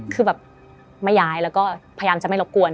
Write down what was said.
คือแบบไม่ย้ายแล้วก็พยายามจะไม่รบกวน